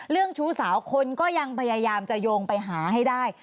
ชู้สาวคนก็ยังพยายามจะโยงไปหาให้ได้